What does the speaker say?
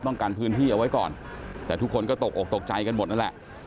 กันพื้นที่เอาไว้ก่อนแต่ทุกคนก็ตกอกตกใจกันหมดนั่นแหละ